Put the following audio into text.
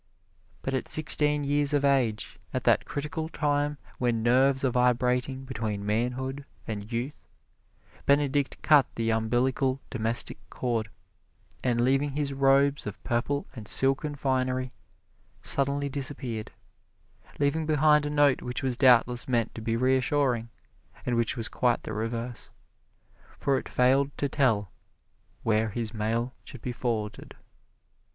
But at sixteen years of age, at that critical time when nerves are vibrating between manhood and youth, Benedict cut the umbilical domestic cord, and leaving his robes of purple and silken finery, suddenly disappeared, leaving behind a note which was doubtless meant to be reassuring and which was quite the reverse, for it failed to tell where his mail should be forwarded.